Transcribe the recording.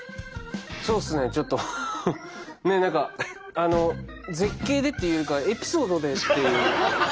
そうですねちょっとねえ何かあの絶景でっていうかエピソードでっていう。